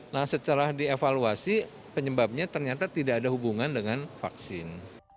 nah setelah dievaluasi penyebabnya ternyata tidak ada hubungan dengan vaksin